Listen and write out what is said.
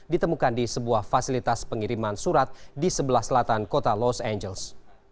ditemukan di sebuah fasilitas pengiriman surat di sebelah selatan kota los angeles